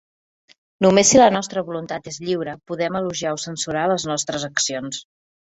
Només si la nostra voluntat és lliure podem elogiar o censurar les nostres accions.